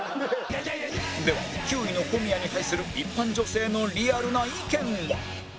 では９位の小宮に対する一般女性のリアルな意見は？